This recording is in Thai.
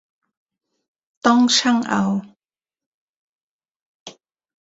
ต้องชั่งเอา